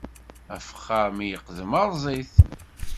Afexxaṛ mi yiqdem, erẓ-it!